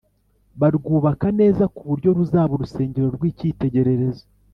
Barwubaka neza kuburyo ruzaba urusengero rwikitegererezo